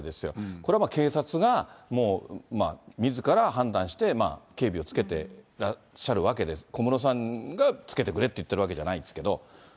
これはまあ警察がもうみずから判断して、警備をつけてらっしゃるわけで、小室さんがつけてくれって言ってるわけじゃないんですけど。